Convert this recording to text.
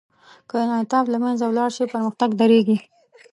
که انعطاف له منځه ولاړ شي، پرمختګ درېږي.